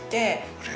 あれ？